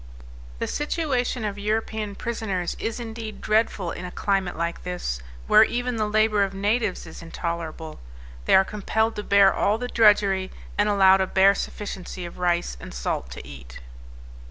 The situation of European prisoners is indeed dreadful in a climate like this, where even the labor of natives is intolerable; they are compelled to bear all the drudgery, and allowed a bare sufficiency of rice and salt to eat."